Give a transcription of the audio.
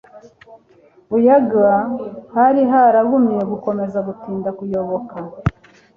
buyaga hari haragumye gukomeza gutinda kuyoboka